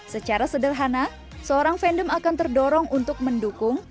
secara sederhana seorang fandom akan terdorong untuk mendukung